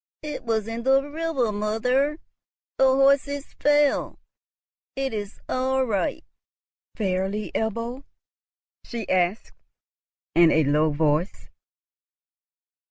"It was in the river, mother, the horses fell; it is our right." "Fairly, Ebbo?" she asked in a low voice.